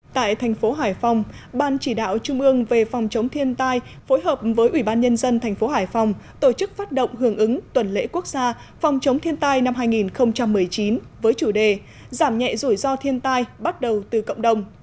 tại thành phố hải phòng ban chỉ đạo trung ương về phòng chống thiên tai phối hợp với ủy ban nhân dân thành phố hải phòng tổ chức phát động hưởng ứng tuần lễ quốc gia phòng chống thiên tai năm hai nghìn một mươi chín với chủ đề giảm nhẹ rủi ro thiên tai bắt đầu từ cộng đồng